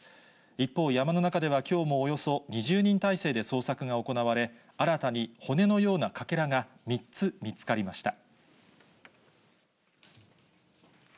一方、山の中ではきょうもおよそ２０人態勢で捜索が行われ、新たに骨のようなかけらが３つ見つかりました。